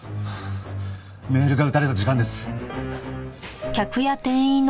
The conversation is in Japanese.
メールが打たれた時間です。